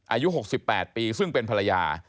อายุ๖๘ปีซึ่งเป็นภรรยา